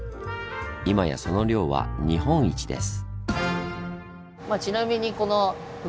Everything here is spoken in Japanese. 今やその量は日本一です。